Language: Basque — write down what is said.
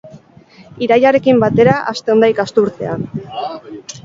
Irailarekin batera hasten da ikasturtea.